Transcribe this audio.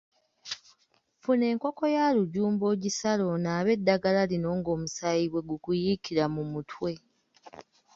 Funa enkoko ya lujumba ogisale onaabe eddagala lino ng'omusaayi bwe gukuyiikira mu mutwe.